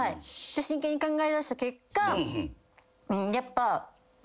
真剣に考えだした結果。